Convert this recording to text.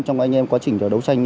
trong anh em quá trình đấu tranh